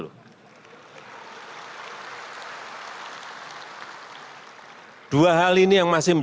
ini kerahkan sinar sanar